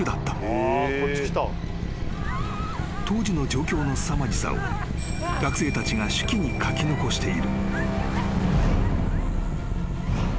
［当時の状況のすさまじさを学生たちが手記に書き残している］